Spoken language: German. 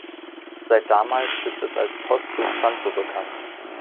Seit damals ist es als Posto Santo bekannt.